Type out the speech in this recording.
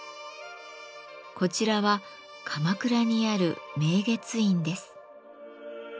こちらは鎌倉にある明月院です。